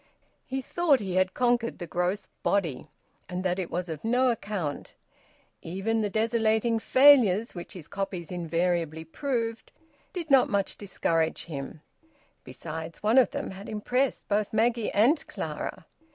He thought he had conquered the gross body, and that it was of no account. Even the desolating failures which his copies invariably proved did not much discourage him; besides, one of them had impressed both Maggie and Clara.